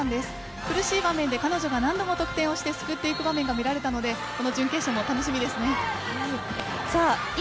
苦しい場面で彼女が何度も得点してつくった場面が見られたのでこの準決勝も楽しみですね。